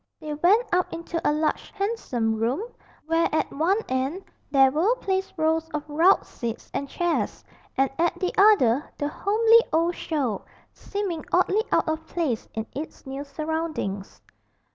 They went up into a large handsome room, where at one end there were placed rows of rout seats and chairs, and at the other the homely old show, seeming oddly out of place in its new surroundings.